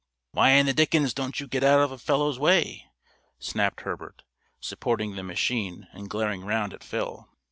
"Why in the dickens don't you get out of a fellow's way?" snapped Herbert, supporting the machine and glaring round at Phil.